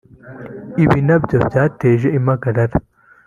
ibi nabyo byateje impagarara